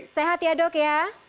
sehat ya dok ya